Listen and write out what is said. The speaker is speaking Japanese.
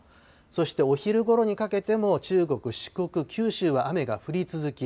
そしてお昼ごろにかけても中国、四国、九州は雨が降り続き